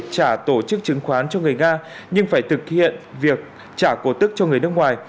trả tổ chức chứng khoán cho người nga nhưng phải thực hiện việc trả cổ tức cho người nước ngoài